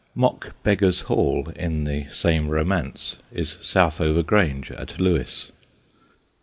(Mock Beggars' Hall, in the same romance, is Southover Grange at Lewes.)